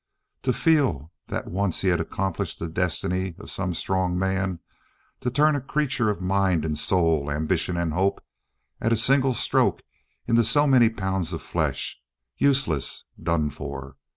To feel that once he had accomplished the destiny of some strong man, to turn a creature of mind and soul, ambition and hope, at a single stroke into so many pounds of flesh, useless, done for.